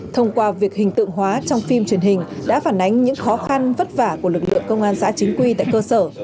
thông qua việc hình tượng hóa trong phim truyền hình đã phản ánh những khó khăn vất vả của lực lượng công an xã chính quy tại cơ sở